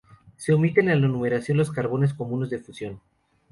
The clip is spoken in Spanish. Se omiten en la numeración los carbonos comunes de fusión.